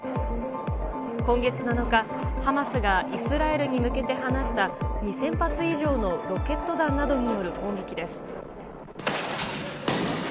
今月７日、ハマスがイスラエルに向けて放った２０００発以上のロケット弾などによる攻撃です。